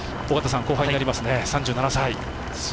尾方さん後輩になりますね、３７歳。